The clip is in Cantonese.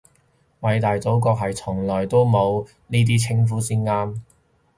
偉大祖國係從來都冇呢啲稱呼先啱